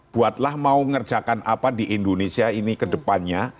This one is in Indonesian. buatlah mau ngerjakan apa di indonesia ini ke depannya